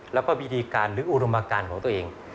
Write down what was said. แล้วก็วิธีการหรืออุดมการของตัวเอง